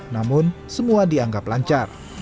namun semua dianggap lancar